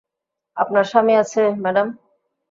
আপনার স্বামী আছে, ম্যাডাম?